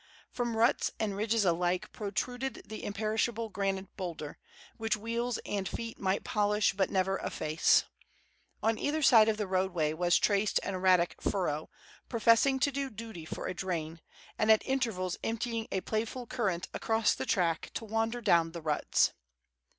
From ruts and ridges alike protruded the imperishable granite boulder, which wheels and feet might polish but never efface. On either side of the roadway was traced an erratic furrow, professing to do duty for a drain, and at intervals emptying a playful current across the track to wander down the ruts.